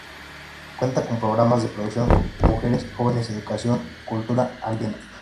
Cuenta con los programas de Producción, Mujeres, Jóvenes, Educación, Cultura, Ambiente.